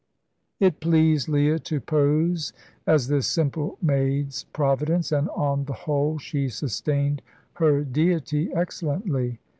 It pleased Leah to pose as this simple maid's providence, and on the whole she sustained her deity excellently.